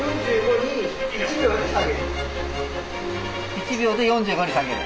１秒で４５に下げる。